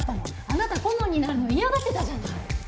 あなた顧問になるの嫌がってたじゃない。